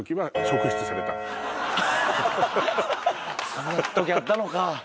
そんな時あったのか！